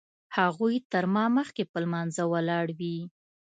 هغوی تر ما مخکې په لمانځه ولاړ وي.